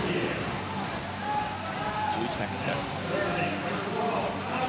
１１対８です。